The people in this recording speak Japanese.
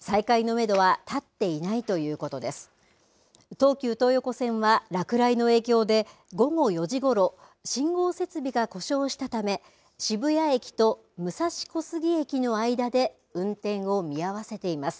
東急東横線は落雷の影響で午後４時ごろ信号設備が故障したため渋谷駅と武蔵小杉駅の間で運転を見合わせています。